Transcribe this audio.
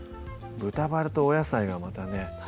豚バラとお野菜がまたね